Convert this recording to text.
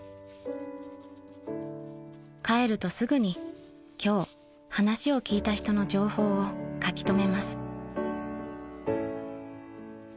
［帰るとすぐに今日話を聞いた人の情報を書き留めます］